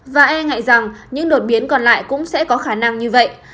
và e ngại rằng những đột biến còn lại cũng sẽ có khả năng như vậy